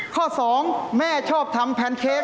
ข้อ๒แม่ชอบทำแพนเค้ก